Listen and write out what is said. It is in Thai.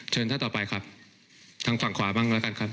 เชิญท่านต่อไปครับทางฝั่งขวาบ้างแล้วกันครับ